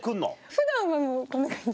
普段はもうこんな感じ。